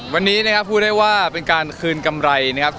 วันนี้นะครับพูดได้ว่าเป็นการคืนกำไรนะครับ